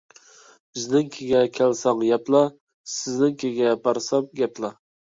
بىزنىڭكىگە كەلسەڭ يەپلا، سېنىڭكىگە بارسام گەپلا.